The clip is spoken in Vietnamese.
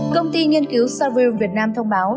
công ty nghiên cứu sarville việt nam thông báo